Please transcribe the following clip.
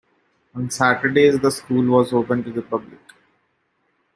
On Saturdays, the school was open to the public.